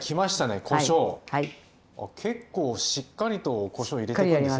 結構しっかりとこしょう入れてくんですね。